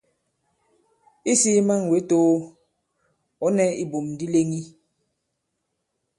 Isī man wě too, ɔ̌ nɛ ibum di leŋi.